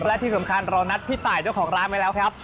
และที่สำคัญเรานัดพี่ตายเจ้าของร้านไว้แล้วครับ